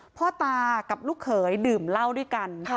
พ่อตากับลูกเขยดื่มเหล้าด้วยกัน